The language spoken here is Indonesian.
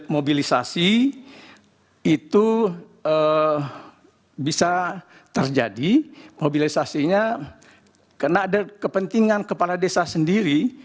mobilisasi itu bisa terjadi mobilisasinya karena ada kepentingan kepala desa sendiri